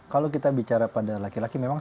kalau kita bicara pada laki laki memang